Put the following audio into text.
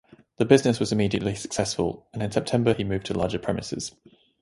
The business was immediately successful, and in September he moved to larger premises.